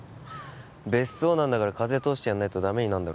別荘なんだから風通してやんないとダメになんだろ